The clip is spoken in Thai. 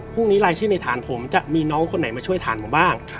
รายชื่อในฐานผมจะมีน้องคนไหนมาช่วยฐานผมบ้าง